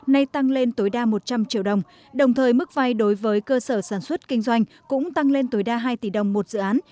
nay tăng lên tối đa một trăm linh triệu đồng đồng thời mức vay đối với cơ sở sản xuất kinh doanh cũng tăng lên tối đa hai tỷ đồng một dự án